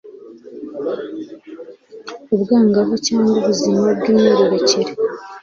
ubwangavu cyangwa ubuzima bw'imyororkere